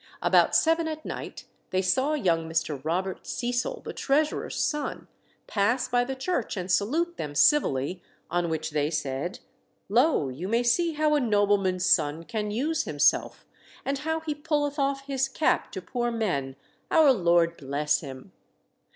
About seven at night they saw young Mr. Robert Cecil, the Treasurer's son, pass by the church and salute them civilly, on which they said, "Lo, you may see how a nobleman's son can use himself, and how he pulleth off his cap to poor men our Lord bless him!"